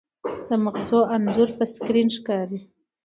د مغزو انځور په سکرین ښکاري.